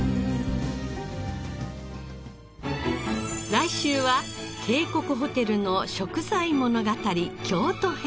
来週は帝国ホテルの食材物語京都編。